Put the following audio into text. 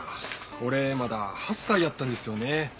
俺まだ８歳やったんですよね。